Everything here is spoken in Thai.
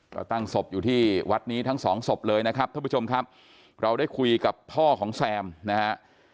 ก็ตั้งศพอยู่ที่วัดนี้ทั้งสองศพเลยนะครับท่านผู้ชมครับเราได้คุยกับพ่อของแซมนะฮะ